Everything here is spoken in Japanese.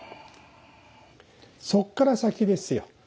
そこから先ですよ。